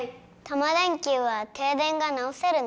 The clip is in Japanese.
タマ電Ｑは停電が直せるの？